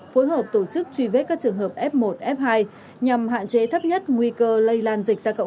phối hợp tổ chức truy vết các trường hợp f một f hai nhằm hạn chế thấp nhất nguy cơ lây lan